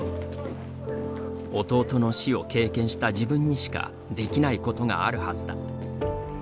「弟の死を経験した自分にしかできないことがあるはずだ」